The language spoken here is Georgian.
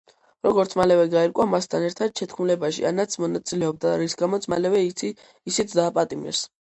როგორც მალევე გაირკვა, მასთან ერთად შეთქმულებაში ანაც მონაწილეობდა, რის გამოც მალევე ისიც დააპატიმრეს.